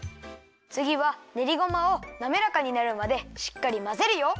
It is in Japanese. つぎはねりごまをなめらかになるまでしっかりまぜるよ。